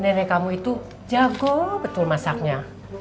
nenek kamu itu jago betul masaknya